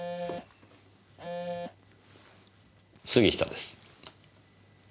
杉下です。